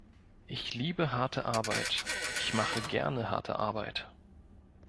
Ich liebe harte Arbeit; ich mache gerne harte Arbeit.